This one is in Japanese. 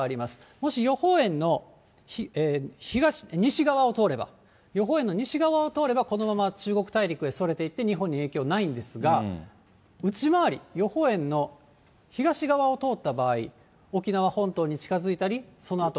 もし予報円の西側を通れば、予報円の西側を通れば、このまま中国大陸へそれていって、日本に影響ないんですが、内回り、予報円の東側を通った場合、沖縄本島に近づいたり、そのあと。